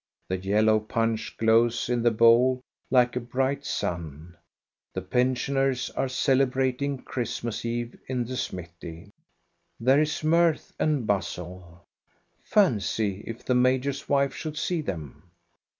The yellow punch glows in the bowl like a bright sun. The pensioners are celebrating Christmas eve in the smithy. There is mirth and bustle. Fancy, if the major's wife should see them